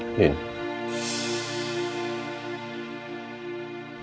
saya dan kakak